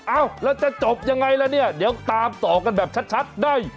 อ้าวแล้วจะจบยังไงล่ะเนี่ยเดี๋ยวตามต่อกันแบบชัดได้